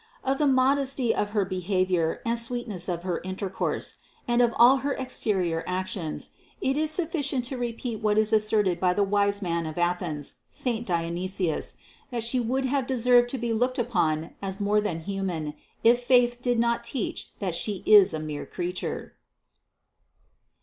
Of the modesty of her be havior and sweetness of her intercourse, and of all her exterior actions, it is sufficient to repeat what is asserted by the wise man of Athens, saint Dionysius, that She would have deserved to be looked upon as more than human, if faith did not teach that She is a mere creature.